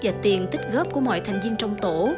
và tiền tích góp của mọi thành viên trong tổ